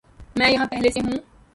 میں یہاں پہلے سے ہوں